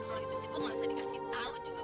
kalau gitu sih gue gak usah dikasih tahu juga